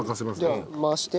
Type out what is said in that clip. じゃあ回して。